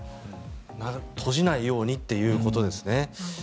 閉じないようにということですね。